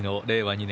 ２年